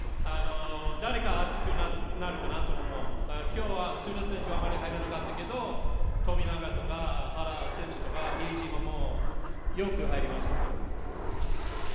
誰が熱くなるかなと、きょうは須田選手あまり入らなかったけど、富永とか原選手とか比江島もよく入りました。